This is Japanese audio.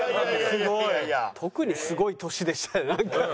特にすごい年でしたねなんかね。